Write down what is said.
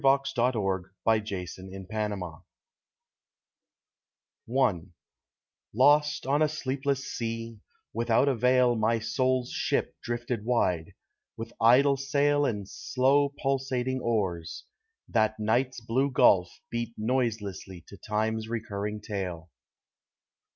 [Illustration: ·THE·SIRENS·THREE] I LOST on a sleepless sea, without avail My soul's ship drifted wide, with idle sail And slow pulsating oars, that night's blue gulf Beat noiselessly to Time's recurring tale.